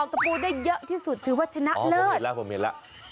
หรือว่าชนะเลิศอ๋อผมเห็นแล้ว